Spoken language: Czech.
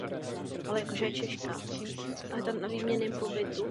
Kvůli geologickým podmínkám ale nebyla zdejší těžba rozhodně nijak jednoduchá.